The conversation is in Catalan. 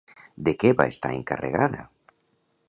De què va estar encarregada?